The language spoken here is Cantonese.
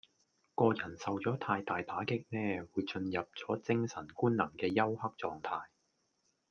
個人受咗太大打擊呢，會進入咗精神官能嘅休克狀態